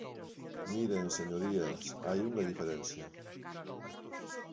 Miren, señorías, hai unha diferenza.